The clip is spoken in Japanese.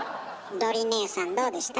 どり姉さんどうでした？